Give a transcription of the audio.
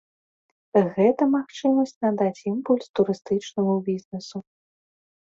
Гэта магчымасць надаць імпульс турыстычнаму бізнэсу.